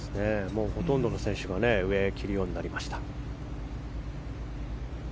ほとんどの選手が上を着るようになりました。